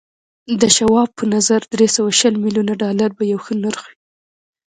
د شواب په نظر دري سوه شل ميليونه ډالر به يو ښه نرخ وي.